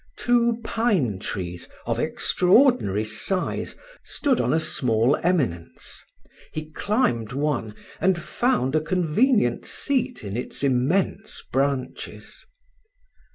Two pine trees, of extraordinary size, stood on a small eminence: he climbed one, and found a convenient seat in its immense branches.